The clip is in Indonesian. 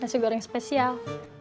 nasi goreng spesial